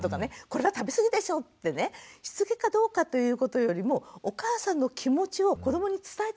「これは食べ過ぎでしょ」ってねしつけかどうかということよりもお母さんの気持ちを子どもに伝えていいと思うんですよ。